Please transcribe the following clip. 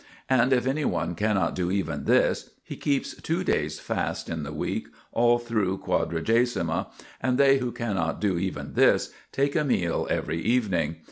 And if any one cannot do even this, he keeps two days' fast (in the week) all through Quadragesima, and they who cannot do even this, take a meal every evening.